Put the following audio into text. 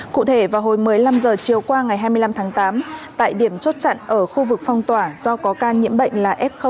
cụ thể vào hồi mới năm giờ chiều qua ngày hai mươi năm tháng tám tại điểm chốt chặn ở khu vực phong tỏa do có ca nhiễm bệnh là f